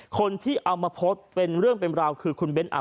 คนที่เอามาโพสต์เป็นเรื่องเป็นราวคือคุณเบ้นอับ